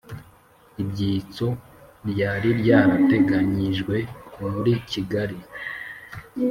ibyitso ryari rya rateganyijwe muri kigali.